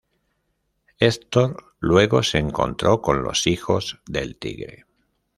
Hector luego se encontró con los Hijos del Tigre.